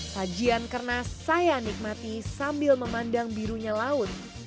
sajian kernas saya nikmati sambil memandang birunya laut